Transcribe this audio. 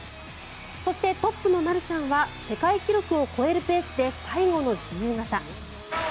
そして、トップのマルシャンは世界記録を超えるペースで最後の自由形。